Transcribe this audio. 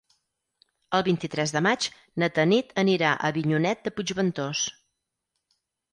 El vint-i-tres de maig na Tanit anirà a Avinyonet de Puigventós.